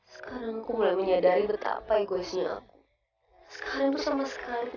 sekarang aku mulai menyadari betapa egoisnya aku sekalian bersama sekali